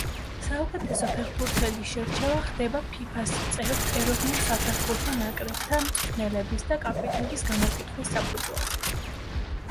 საუკეთესო ფეხბურთელის შერჩევა ხდება ფიფას წევრ ეროვნულ საფეხბურთო ნაკრებთა მწვრთნელების და კაპიტნების გამოკითხვის საფუძველზე.